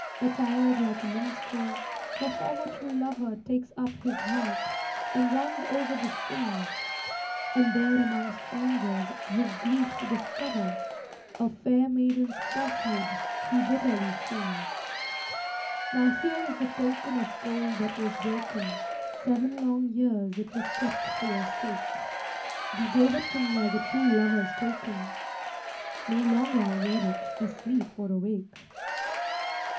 Attired like a minstrel, her former true lover Takes up his harp, and runs over the strings; And there among strangers, his grief to discover, A fair maiden's falsehood he bitterly sings. 'Now here is the token of gold that was broken; Seven long years it was kept for your sake; You gave it to me as a true lover's token; No longer I'll wear it, asleep or awake.'